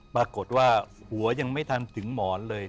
ปรากฏว่าหัวยังไม่ทันถึงหมอนเลย